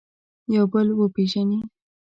یو بل وپېژني.